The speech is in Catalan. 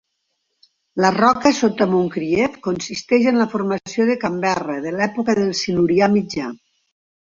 La roca sota Moncrieff consisteix en la formació de Canberra de l'època del Silurià mitjà.